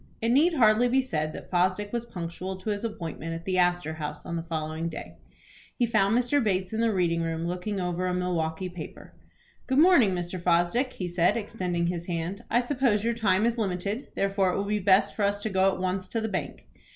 It need hardly be said that Fosdick was punctual to his appointment at the Astor House on the following day. He found Mr. Bates in the reading room, looking over a Milwaukie paper. "Good morning, Mr. Fosdick," he said, extending his hand. "I suppose your time is limited, therefore it will be best for us to go at once to the bank."